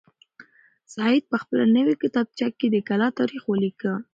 سعید په خپله نوې کتابچه کې د کلا تاریخ ولیکه.